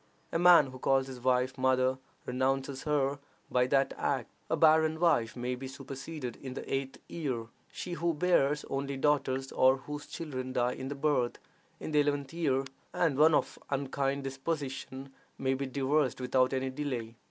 A man who calls his wife "mother," renounces her by that act. A barren wife may be superseded in the eighth year: she who bears only daughters, or whose children die in the birth, in the eleventh year; and one of an unkind disposition may be divorced without any delay.